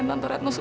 nta di rumah ngeri